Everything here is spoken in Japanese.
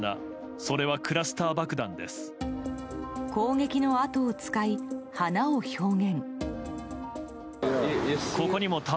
攻撃の跡を使い、花を表現。